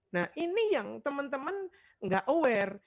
nah ini yang teman teman nggak aware